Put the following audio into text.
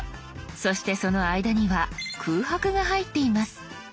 そしてその間には空白が入っています。